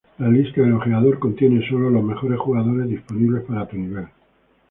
La lista del Ojeador contiene sólo los mejores jugadores disponibles para tu nivel.